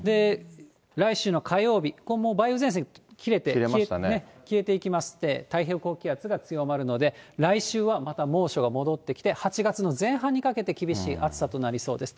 来週の火曜日、これも梅雨前線切れて、消えていきまして、太平洋高気圧が強まるので、来週は、また猛暑が戻ってきて、８月の前半にかけて、厳しい暑さとなりそうです。